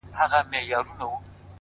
چي په لاسونو كي رڼا وړي څوك ـ